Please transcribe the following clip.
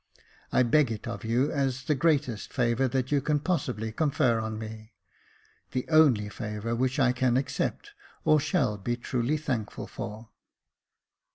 I beg it of you as the greatest favour that you can possibly confer on me — the only favour which I can accept, or shall be truly thankful for."